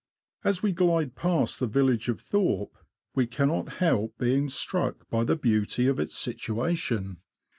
As we glide past the village of Thorpe, we cannot help being struck by the beauty of its situation.